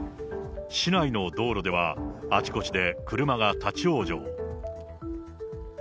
市内の道路ではあちこちで車が立往生。